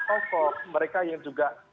tokoh mereka yang juga